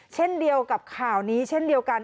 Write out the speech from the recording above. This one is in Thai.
เช่นเดียวกับข่าวนี้เช่นเดียวกัน